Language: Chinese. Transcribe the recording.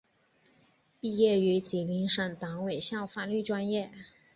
毕业于吉林省委党校法律专业。